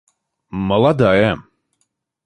молодая